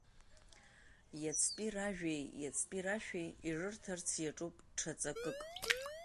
Иацтәи ражәеи иацтәи рашәеи ирырҭарц иаҿуп ҽа ҵакык.